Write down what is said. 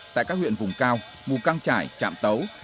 tại các huyện vùng cao mù căng trải trạm tấu